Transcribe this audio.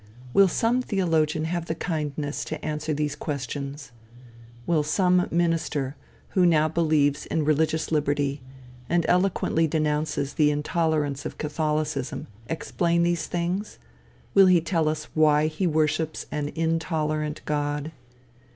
Will some theologian have the kindness to answer these questions? Will some minister, who now believes in religious liberty, and eloquently denounces the intolerance of Catholicism, explain these things; will he tell us why he worships an intolerant God?